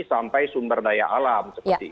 sampai sumber daya alam